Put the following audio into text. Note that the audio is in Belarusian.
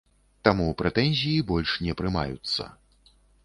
Таму прэтэнзіі больш не прымаюцца.